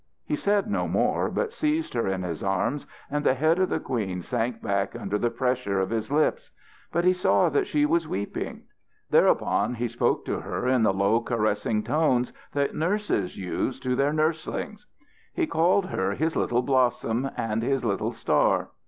He said no more, but seized her in his arms, and the head of the queen sank back under the pressure of his lips. But he saw that she was weeping. Thereupon he spoke to her in the low, caressing tones that nurses use to their nurslings. He called her his little blossom and his little star.